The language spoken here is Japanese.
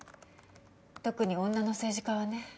特に女の政治家はね。